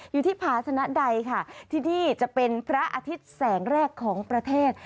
อยู่ที่ภาษณะใดค่ะที่นี่จะเป็นพระอาทิตย์แสงแรกของประเทศ